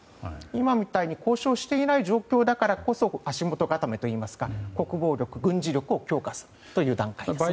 今みたいに交渉していない状況だからこそ足元固めといいますか、国防力や軍事力を強化する段階ですね。